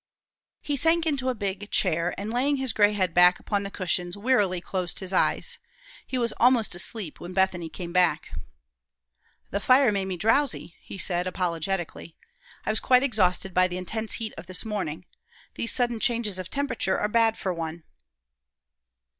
He sank into a big chair, and laying his gray head back on the cushions, wearily closed his eyes. He was almost asleep when Bethany came back. "The fire made me drowsy," he said, apologetically. "I was quite exhausted by the intense heat of this morning. These sudden changes of temperature are bad for one."